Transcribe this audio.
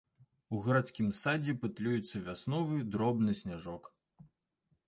У гарадскім садзе пытлюецца вясновы дробны сняжок.